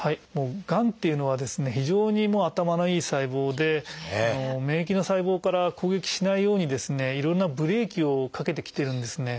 がんというのは非常に頭のいい細胞で免疫の細胞から攻撃しないようにいろんなブレーキをかけてきてるんですね。